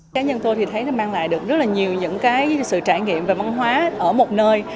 cá nhân tôi thì thấy mang lại được rất nhiều sự trải nghiệm và văn hóa ở một nơi